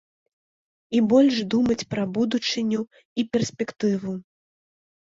І больш думаць пра будучыню і перспектыву.